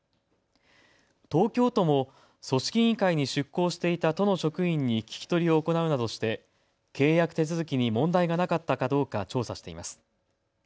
東京都も組織委員会に出向していた都の職員に聞き取りを行うなどして契約手続きに問題がなかったかどうか調査しています。